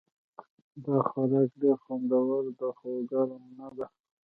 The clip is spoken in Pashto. دا خوراک ډېر خوندور ده خو ګرم نه ده